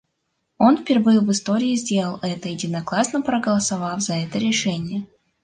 Он впервые в истории сделал это, единогласно проголосовав за это решение.